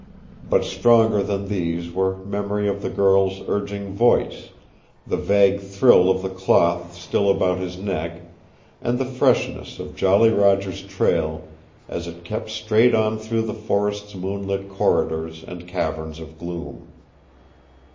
But stronger than these were memory of the girl's urging voice, the vague thrill of the cloth still about his neck, and the freshness of Jolly Roger's trail as it kept straight on through the forest's moonlit corridors and caverns of gloom.